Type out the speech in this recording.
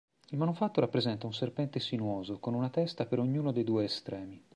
Il manufatto rappresenta un serpente sinuoso con una testa per ognuno dei due estremi.